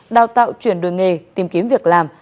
đào tạo chuyển đường nghề tìm kiếm việc làm